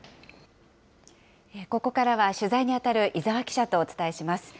ここからは取材に当たる伊沢記者とお伝えします。